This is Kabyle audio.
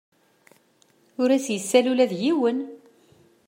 Ur as-yessal ula d yiwen.